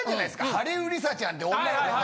ハリウリサちゃんっていう女の子が。